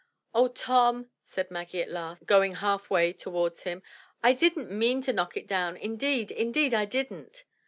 "Oh, Tom," said Maggie at last, going half way towards him, "I didn't mean to knock it down, indeed, indeed I didn't."